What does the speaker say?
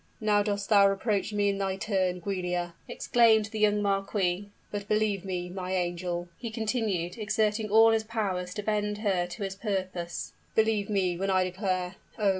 "Now dost thou reproach me in thy turn, Giulia!" exclaimed the young marquis. "But believe me, my angel," he continued, exerting all his powers to bend her to his purpose, "believe me when I declare oh!